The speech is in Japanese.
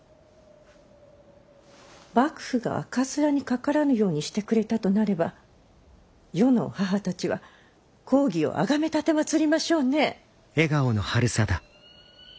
幕府が赤面にかからぬようにしてくれたとなれば世の母たちは公儀をあがめ奉りましょうね。